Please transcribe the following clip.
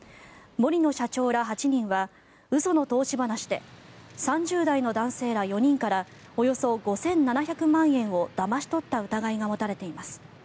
森野社長ら８人は嘘の投資話で３０代の男性ら４人からおよそ５７００万円をだまし取った疑いが持たれています。